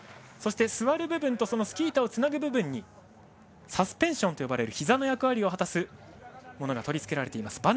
そして、座る部分とスキー板をつなぐ部分にサスペンションと呼ばれるひざの役割を果たすものが取り付けられています。